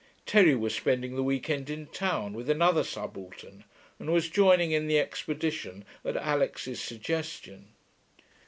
Terry was spending the week end in town, with another subaltern, and was joining in the expedition at Alix's suggestion.